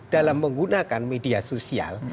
dalam menggunakan media sosial